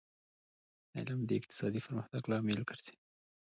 علم د اقتصادي پرمختګ لامل ګرځي